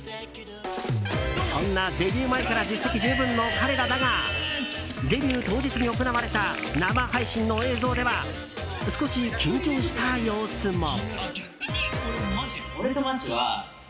そんなデビュー前から実績十分の彼らだがデビュー当日に行われた生配信の映像では少し緊張した様子も。